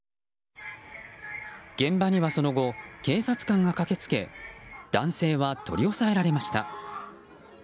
現場にはその後、警察官が駆けつけ男性は取り押さえられました。